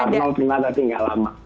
parloknya cukup perlah tapi tidak lama